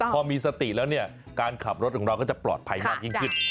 พอมีสติแล้วเนี่ยการขับรถของเราก็จะปลอดภัยมากยิ่งขึ้น